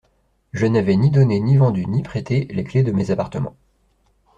Je n'avais ni donné, ni vendu, ni prêté les clefs de mes appartements.